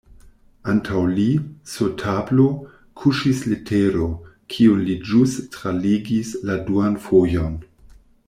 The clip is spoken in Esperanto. Antaŭ li, sur tablo, kuŝis letero, kiun li ĵus tralegis la duan fojon.